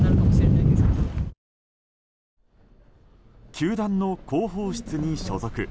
球団の広報室に所属。